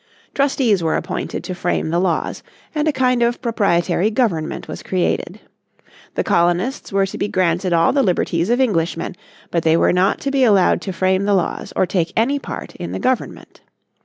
Trustees were appointed to frame the laws, and a kind of proprietory government was created. The colonists were to be granted all the liberties of Englishmen, but they were not to be allowed to frame the laws or take any part in the government.